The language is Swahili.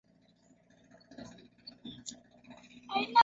Hwangho au mto njano pia kuna mto Xi Jiang